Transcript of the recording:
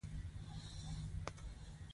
چینایي متل وایي موسکا عمر زیاتوي.